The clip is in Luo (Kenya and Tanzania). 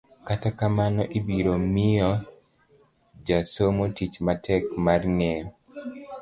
kata kamano, ibiro miyo jasomo tich matek mar ng'eyo